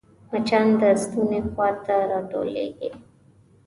مچان د ستوني خوا ته راټولېږي